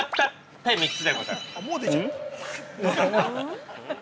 ペ３つでございます。